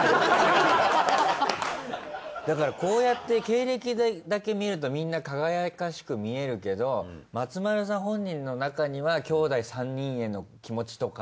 だからこうやって経歴だけ見るとみんな輝かしく見えるけど松丸さん本人の中には兄弟３人への気持ちとか。